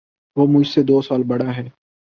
وہ مجھ سے دو سال بڑا ہے